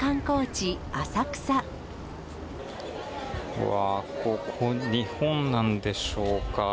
うわー、ここ、日本なんでしょうか。